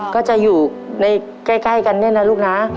ก็จะอยู่ในใกล้กันเนี่ยนะลูกนะ